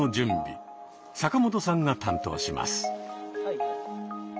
坂本さんが担当します。